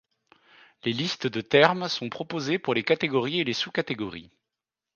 Les listes de termes sont proposés pour les catégories et les sous-catégories.